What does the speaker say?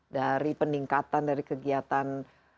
dari peningkatan dari kegiatan